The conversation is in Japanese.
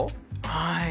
はい。